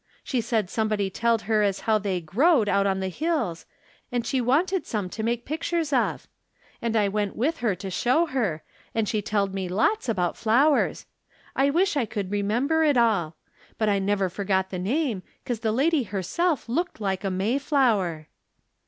She said somebody telled her as how they growed out on the hills, and she wanted some to make pictures of. And I went with her to show her, and she telled me lots about flowers. I wish I could re member it all. But I never forgot the name, 'cause the lady herself looked like a Mayflower."